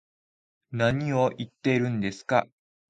何を言ってるんですか